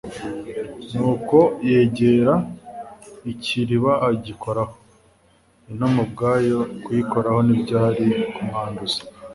Nuko yegera «ikiriba agikoraho.» Intumbi ubwayo kuyikoraho ntibyari kumwanduza.